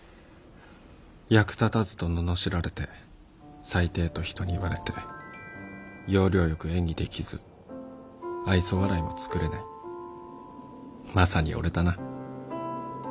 「役立たずと罵られて最低と人に言われて要領よく演技できず愛想笑いも作れないまさにオレだな」。